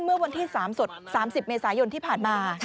๓๐เมษายนที่ผ่านมา